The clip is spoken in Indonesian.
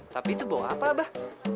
tapi itu bawa apa abah